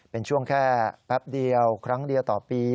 เป็นช่วงแค่แป๊บเดียวครั้งเดียวต่อปี